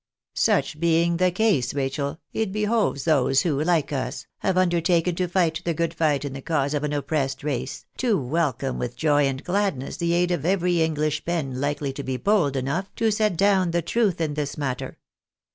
Such being the case, Rachel, it behoves those who, like us, have undertaken to fight the good fight in the cause of an oppressed race, to welcome with joy and gladness the aid of every English pen likely to be bold enough to set down the truth in this matter.